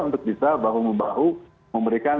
untuk bisa bahu membahu memberikan